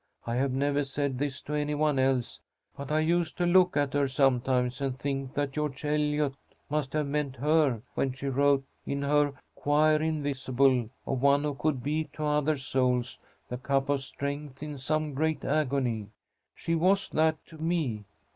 I have never said this to any one else. But I used to look at her sometimes and think that George Eliot must have meant her when she wrote in her 'Choir Invisible' of one who could 'be to other souls the cup of strength in some great agony.' She was that to me.